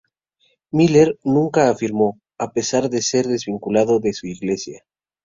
Miller nunca lo afirmó, a pesar de ser desvinculado de su iglesia.